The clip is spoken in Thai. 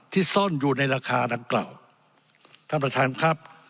ซ่อนอยู่ในราคาดังกล่าวท่านประธานครับ